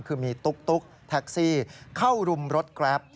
คือมีตุ๊กแท็กซี่เข้ารุมรถแกรป